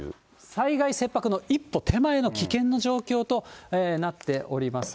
災害切迫の一歩手前の危険の状況となっております。